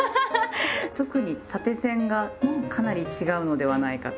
特に縦線がかなり違うのではないかと。